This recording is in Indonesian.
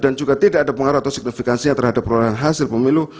dan juga tidak ada pengaruh atau signifikasi terhadap perolahan hasil pemilu